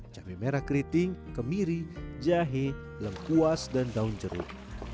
cabai merah keriting kemiri jahe lengkuas dan daun jeruk